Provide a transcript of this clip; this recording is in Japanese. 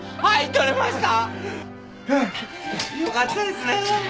よかったですねえ。